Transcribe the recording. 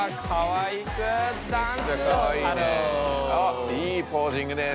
いいポージングです。